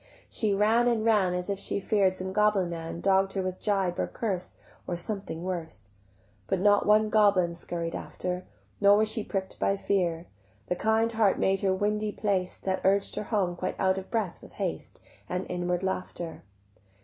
She ran and ran As if she fear'd some goblin man Dogg'd her with gibe or curse Or something worse: But not one goblin scurried after, Nor was she prick'd by fear; The kind heart made her windy paced That urged her home quite out of breath with haste And inward laughter.